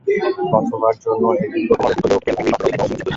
কসোভোর জন্য এটি প্রথম অলিম্পিক হলেও কেলমেন্ডি লন্ডন অলিম্পিকেও অংশ নিয়েছিলেন।